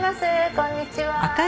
こんにちは。